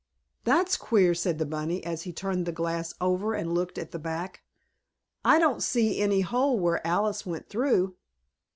'" "That's queer," said the bunny, as he turned the glass over and looked at the back. "I don't see any hole where Alice went through."